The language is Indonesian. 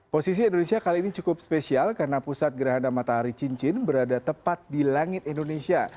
posisi indonesia kali ini cukup spesial karena pusat gerhana matahari cincin berada tepat di langit indonesia